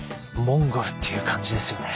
モンゴルっていう感じですよね。